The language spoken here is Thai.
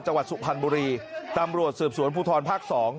สุพรรณบุรีตำรวจสืบสวนภูทรภาค๒